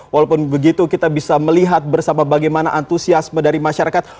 walaupun begitu kita bisa melihat bersama bagaimana antusiasme dari masyarakat